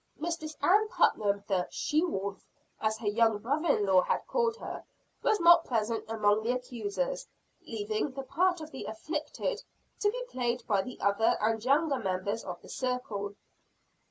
Mistress Ann Putnam, the she wolf, as her young brother in law had called her, was not present among the accusers leaving the part of the "afflicted" to be played by the other and younger members of the circle.